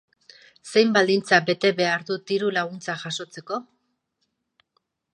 Zein baldintza bete behar dut dirulaguntza jasotzeko?